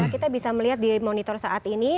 kita bisa melihat di monitor saat ini